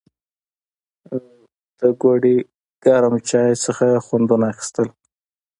او د ګوړې ګرم چای نه خوندونه اخيستل